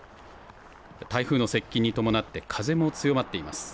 台風の接近に伴って風も強まっています。